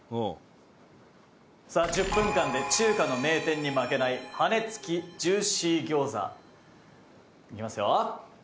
「さあ１０分間で中華の名店に負けない羽根付きジューシー餃子。いきますよ」